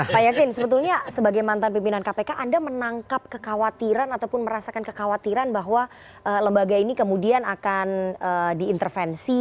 pak yasin sebetulnya sebagai mantan pimpinan kpk anda menangkap kekhawatiran ataupun merasakan kekhawatiran bahwa lembaga ini kemudian akan diintervensi